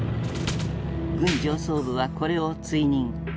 軍上層部はこれを追認。